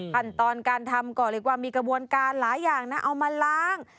ขั้นตอนการทำก็เรียกว่ามีกระบวนการหลายอย่างนะเอามาล้าง